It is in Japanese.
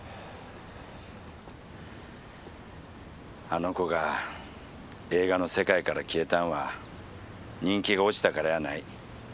あの子が映画の世界から消えたんは人気が落ちたからやない。